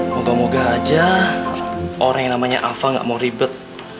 moga moga aja orang yang namanya afa gak mau ribet